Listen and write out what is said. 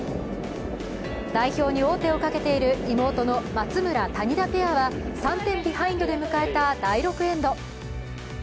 代表に王手をかけている妹の松村・谷田ペアは３点ビハインドで迎えた第６エンド。